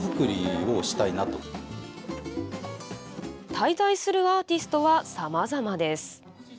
滞在するアーティストはさまざまです。